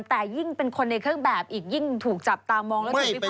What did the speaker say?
แต่ยิ่งเป็นคนในเครื่องแบบอีกยิ่งถูกจับตามมองแล้วถูกพิภาคุณศาลเลยนะ